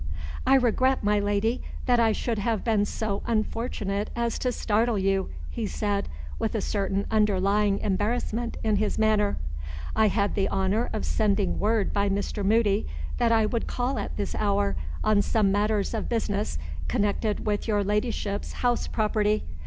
"I regret, my Lady, that I should have been so unfortunate as to startle you," he said, with a certain underlying embarrassment in his manner. "I had the honor of sending word by Mr. Moody that I would call at this hour, on some matters of business connected with your Ladyship's house property.